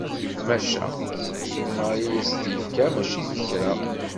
Maca, ssuma i as-d-yefka mačči d kra!